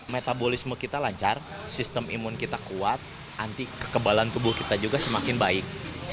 metabolisme kita lancar sistem imun kita kuat anti kekebalan tubuh kita juga semakin baik